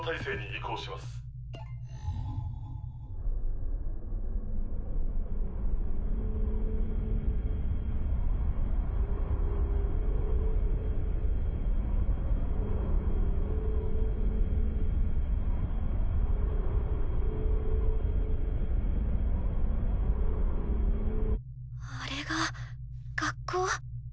ピッあれが学校。